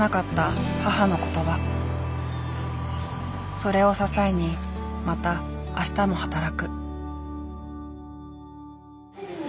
それを支えにまた明日も働く。